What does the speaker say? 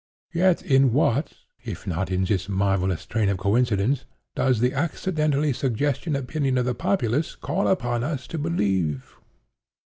Yet in what, if not in this marvellous train of coincidence, does the accidentally suggested opinion of the populace call upon us to believe?